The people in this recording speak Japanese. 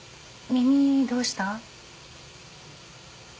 耳どうした？